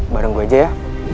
bareng gue aja ya